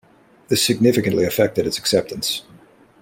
This significantly affected its acceptance.